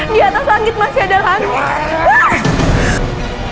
diatas langit masih ada langit